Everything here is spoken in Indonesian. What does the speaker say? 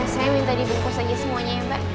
saya minta dibungkus lagi semuanya ya mbak